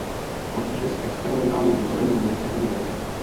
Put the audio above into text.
Potíže s experimentálním vybavením byly tehdy veliké.